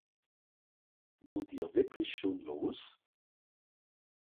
Wollt ihr wirklich schon los?